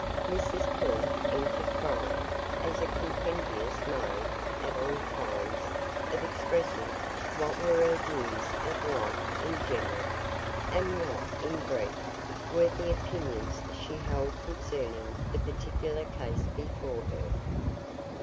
Mrs Pullet entered crying, as a compendious mode, at all times, of expressing what were her views of life in general, and what, in brief, were the opinions she held concerning the particular case before her.